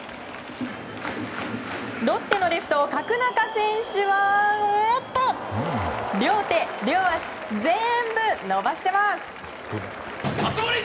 ロッテのレフト、角中選手は両手両足、全部伸ばしています！